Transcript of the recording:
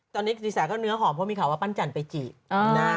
ตอนนี้ถิศาก็เนื้อหอมเพราะว่ามีข่าวว่าปั้นจันทร์ไปจีบ